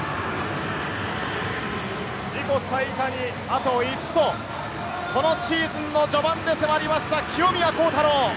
自己最多にあと１と、このシーズンの序盤で迫りました、清宮幸太郎。